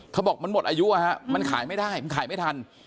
เขาบอกมันหมดอายุมันขายไม่ได้มันขายไม่ทัน